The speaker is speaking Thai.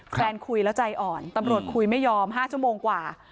แฟนคุยแล้วใจอ่อนตำรวจคุยไม่ยอม๕ชั่วโมงกว่า